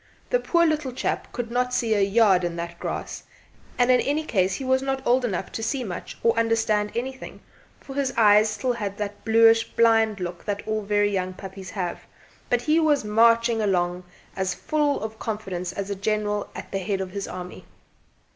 The poor little chap could not see a yard in that grass; and in any case he was not old enough to see much, or understand anything, for his eyes still had that bluish blind look that all very young puppies have, but he was marching along as full of confidence as a general at the head of his army.